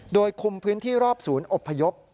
โดยคุมพื้นที่รอบศูนย์อบพยพ